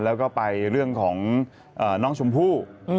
แล้วก็ไปเรื่องของน้องชมพู่